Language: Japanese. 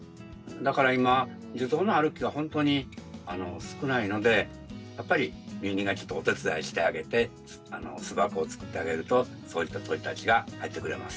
だから今樹洞のある木はほんとに少ないのでやっぱり人間がちょっとお手伝いしてあげて巣箱を作ってあげるとそういった鳥たちが入ってくれます。